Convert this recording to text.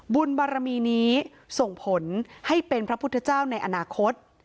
บุญบารมีนี้ส่งผลให้เป็นพระพุทธเจ้าในอนาคต